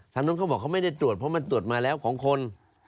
นู้นเขาบอกเขาไม่ได้ตรวจเพราะมันตรวจมาแล้วของคน